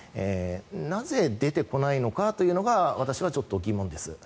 なぜ、出てこないのかというのが私はちょっと疑問です。